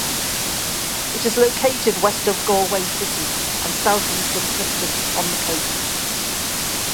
It is located west of Galway city and southeast of Clifden, on the coast.